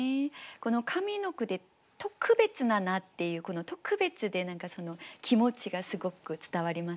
この上の句で「特別な名」っていうこの「特別」で気持ちがすごく伝わりますね。